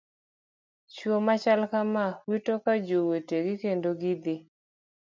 Chuo machal kamaa wito ga joutegi kendo gidhi